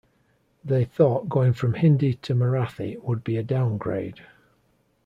They thought going from Hindi to Marathi would be a downgrade.